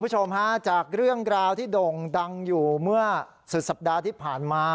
คุณผู้ชมฮะจากเรื่องราวที่โด่งดังอยู่เมื่อสุดสัปดาห์ที่ผ่านมา